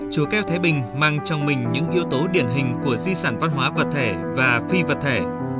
chùa keo thái bình mang trong mình những yếu tố điển hình của di sản văn hóa vật thể và phi vật thể